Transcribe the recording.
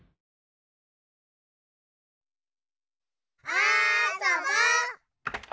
あそぼ！